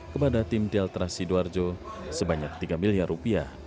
kepada tim delta sidoarjo sebanyak tiga miliar rupiah